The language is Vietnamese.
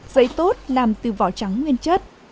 giấy tốt làm từ vỏ trắng nguyên chất